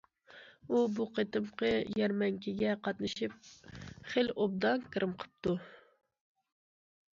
ئۇ بۇ قېتىمقى يەرمەنكىگە قاتنىشىپ خېلى ئوبدان كىرىم قىپتۇ.